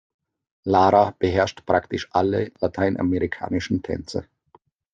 Lara beherrscht praktisch alle lateinamerikanischen Tänze.